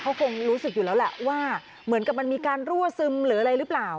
เขาคงรู้สึกอยู่แล้วแหละว่าเหมือนกับมันมีการรั่วซึมหรืออะไรหรือเปล่า